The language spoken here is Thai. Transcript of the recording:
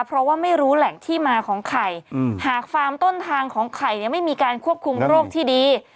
เพราะว่าไม่รู้แหล่งที่มาของไข่หากฟาร์มต้นทางของไข่ไม่มีการควบคุมโรคที่ดี